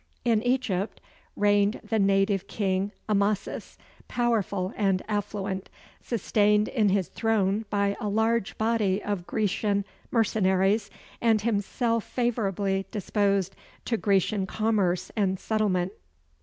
In Egypt reigned the native king Amasis, powerful and affluent, sustained in his throne by a large body of Grecian mercenaries and himself favorably disposed to Grecian commerce and settlement.